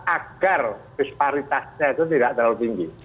agar disparitasnya itu tidak terlalu tinggi